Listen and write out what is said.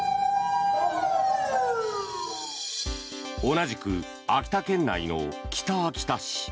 同じく秋田県内の北秋田市。